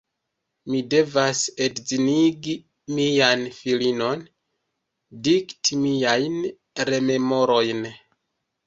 Mi devas edzinigi mian filinon, dikti miajn rememorojn.